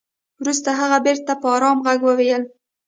وروسته هغه بېرته په ارام ږغ وويل.